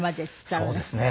そうですね。